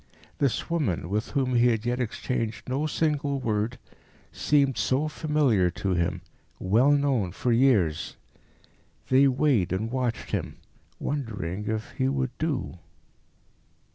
This woman, with whom he had yet exchanged no single word, seemed so familiar to him, well known for years. They weighed and watched him, wondering if he would do.